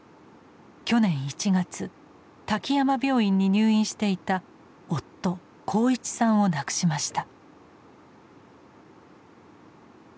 去年１月滝山病院に入院していた夫鋼一さんを亡くしました。